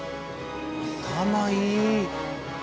頭いい！